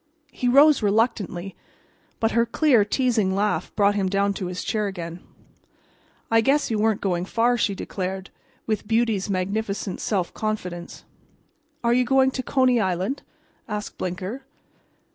He rose reluctantly, but her clear, teasing laugh brought him down to his chair again. "I guess you weren't going far," she declared, with beauty's magnificent self confidence. "Are you going to Coney Island?" asked Blinker.